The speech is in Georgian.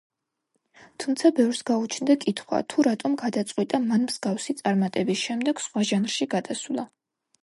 თუმცა ბევრს გაუჩნდა კითხვა თუ რატომ გადაწყვიტა მან მსგავსი წარმატების შემდეგ სხვა ჟანრში გადასვლა.